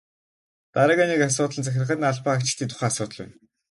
Дараагийн нэг асуудал нь захиргааны албан хаагчдын тухай асуудал байна.